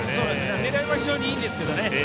狙いは非常にいいんですけど。